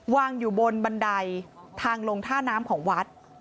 วางอยู่บนบันไดทางลงท่าน้ำของวัด